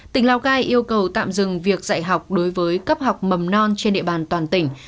tỉnh lào cai yêu cầu tạm dừng việc dạy học đối với cấp học mầm non trên địa bàn toàn tỉnh